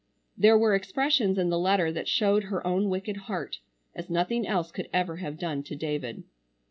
There were expressions in the letter that showed her own wicked heart, as nothing else could ever have done, to David.